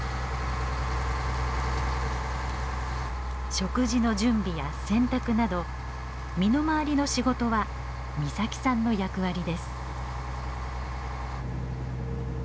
食事の準備や洗濯など身の回りの仕事は岬さんの役割です。